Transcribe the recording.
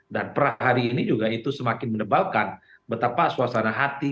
dan perah hari ini juga itu semakin mendebalkan betapa suasana hati